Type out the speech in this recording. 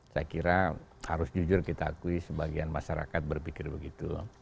saya kira harus jujur kita akui sebagian masyarakat berpikir begitu